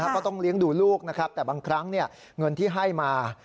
ก็ต้องเลี้ยงดูลูกนะครับแต่บางครั้งเงินที่ให้มา